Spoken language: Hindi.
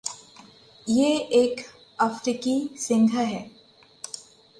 यह एक अफ़्रीकी सिंह है।